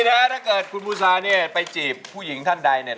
ถ้าเกิดคุณบูชาไปจีบผู้หญิงท่านใด